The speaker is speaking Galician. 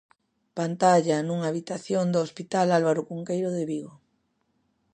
Pantalla nunha habitación do Hospital Álvaro Cunqueiro de Vigo.